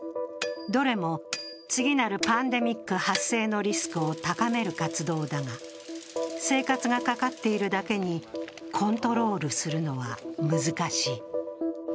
どれも次なるパンデミック発生のリスクを高める活動だが、生活がかかっているだけにコントロールするのは難しい。